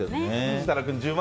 設楽君、１０万